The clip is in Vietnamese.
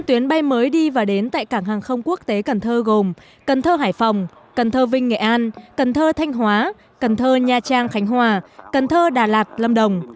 năm tuyến bay mới đi và đến tại cảng hàng không quốc tế cần thơ gồm cần thơ hải phòng cần thơ vinh nghệ an cần thơ thanh hóa cần thơ nha trang khánh hòa cần thơ đà lạt lâm đồng